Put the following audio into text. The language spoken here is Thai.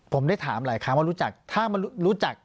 ผมได้ถามหลายครั้งว่ารู้จัก